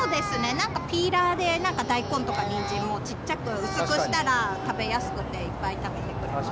なんかピーラーでなんか大根とかニンジンをちっちゃく薄くしたら食べやすくて、いっぱい食べてくれます。